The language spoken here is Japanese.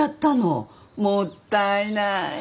もったいない。